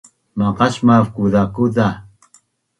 Maqasmav kuzakuza